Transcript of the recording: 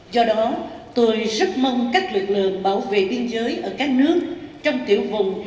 do đó tôi rất mong các lực lượng bảo vệ biên giới ở các nước trong tiểu vùng